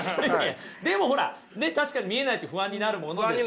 でもほら確かに見えないと不安になるものですよね。